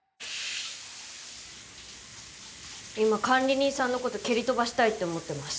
今管理人さんの事蹴り飛ばしたいって思ってます。